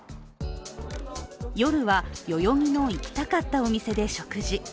夜は代々木の行きたかったお店で食事。